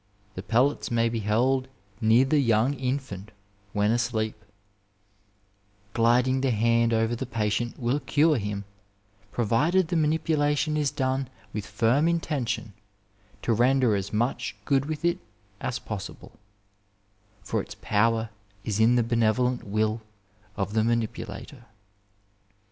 'The pellets may be held near the young infant when asleep.' ' Gliding the hand over the patient 231 Digitized by Google MEDIONE IN THE NINETEENTH CENTURY will cure him, provided the mampulation is done with firm intentioa to render as much good with it as possible, for its power is in the benevolent will of the manipulator.'